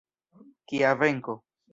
Kia venko.